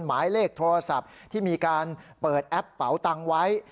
หมายเลขโทรศัพท์ที่มีการเปิดแอปเป๋าตังค์ไว้